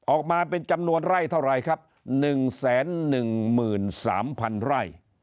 ออกมาเป็นจำนวนไร่เท่าไรครับ๑๑๓๐๐๐ไร่